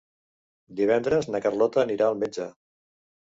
Divendres na Carlota anirà al metge.